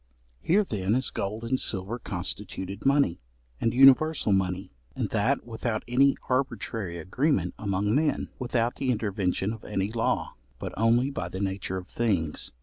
Here then is gold and silver constituted money, and universal money, and that without any arbitrary agreement among men, without the intervention of any law, but only by the nature of things.